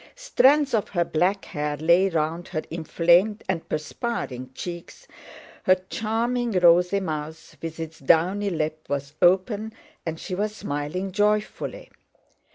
Strands of her black hair lay round her inflamed and perspiring cheeks, her charming rosy mouth with its downy lip was open and she was smiling joyfully.